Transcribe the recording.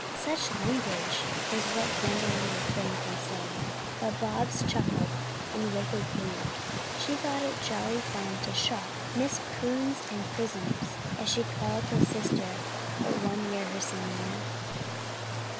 "Such language," was what Gwendolyn refrained from saying, but Bobs chuckled in wicked glee. She thought it jolly fun to shock "Miss Prunes and Prisms," as she called the sister but one year her senior.